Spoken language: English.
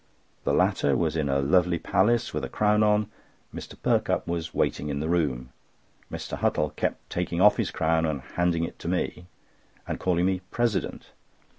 The latter was in a lovely palace with a crown on. Mr. Perkupp was waiting in the room. Mr. Huttle kept taking off this crown and handing it to me, and calling me "President."